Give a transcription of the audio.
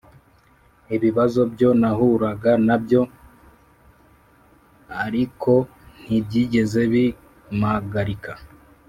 ibibazo byo nahuraga na byo arik ntibyigeze bimagarika